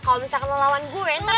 kalau misalkan lo lawan gue ntar pasti